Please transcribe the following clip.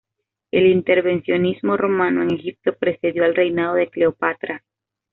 El intervencionismo romano en Egipto precedió al reinado de Cleopatra.